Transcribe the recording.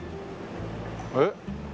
えっ？